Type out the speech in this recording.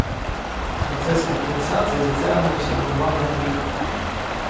Працэс кампенсацыі зацягнуўся на два гады.